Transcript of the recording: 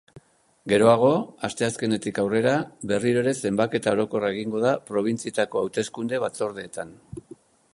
Geroago, asteazkenetik aurrera, berriro ere zenbaketa orokorra egingo da probintzietako hauteskunde-batzordeetan.